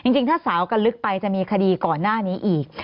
จริงถ้าสาวกันลึกไปจะมีคดีก่อนหน้านี้อีก